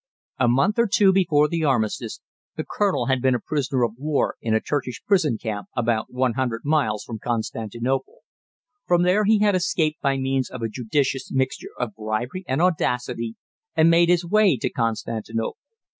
A month or two before the Armistice the colonel had been a prisoner of war in a Turkish prison camp about 100 miles from Constantinople. From there he had escaped by means of a judicious mixture of bribery and audacity and made his way to Constantinople.